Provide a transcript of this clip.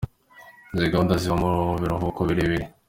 Izi gahunda ziba mu biruhuko birerebire.